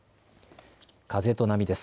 風と波です。